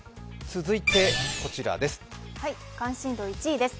続いて、こちらです。